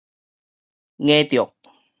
挾著